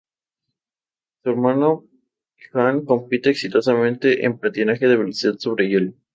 Su hermano Jan compite exitosamente en patinaje de velocidad sobre hielo.